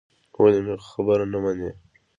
ولې مې خبره نه منې.